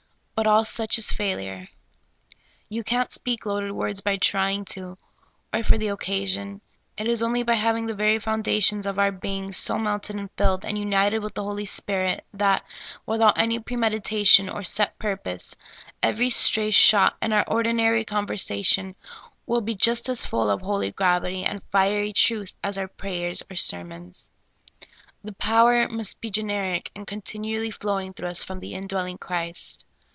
But all such is a failure. You can't speak loaded words by trying to, or for the occasion ; it is only by having the very fountains of our being so melted and filled and united with the Holy Spirit that, without any premeditation or set purpose, every stray shot and our ordinary conversation will be just as full of holy gravity and fiery truth as our prayers and ser mons. The power must be generic, and continually flowing through us from the indwelling Christ.